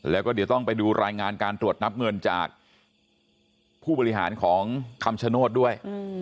แล้วก็เดี๋ยวต้องไปดูรายงานการตรวจนับเงินจากผู้บริหารของคำชโนธด้วย